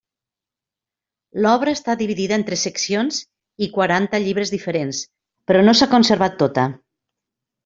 L'obra està dividida en tres seccions i quaranta llibres diferents, però no s'ha conservat tota.